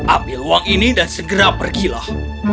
ambil uang ini dan segera pergilah